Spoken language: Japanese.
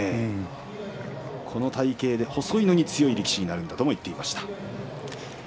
この体形で細いのに強い力士になると言っていました。